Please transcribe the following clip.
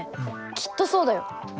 きっとそうだよ。